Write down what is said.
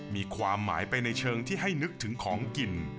มีความหมายไปในเชิงที่ให้นึกถึงของกิน